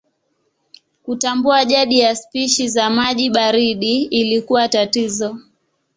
Kutambua jadi ya spishi za maji baridi ilikuwa tatizo.